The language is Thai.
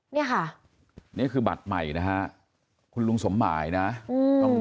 เนี่ยค่ะนี่คือบัตรใหม่นะฮะคุณลุงสมหมายนะอืม